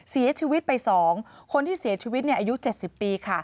เสียชีวิตไป๒คนที่เสียชีวิตอายุ๗๐ปีค่ะ